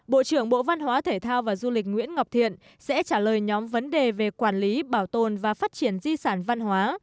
bộ trưởng bộ văn hóa thể thao và du lịch nguyễn ngọc thiện sẽ trả lời nhóm vấn đề về quản lý bảo tồn và phát triển di sản văn hóa